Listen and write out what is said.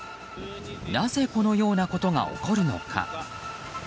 なぜこのようなことが起こるのか。